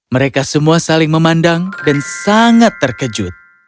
mereka semua saling memandang dan sangat terkejut